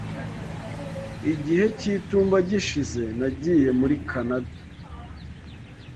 Igihe cy'itumba gishize, nagiye muri Canada.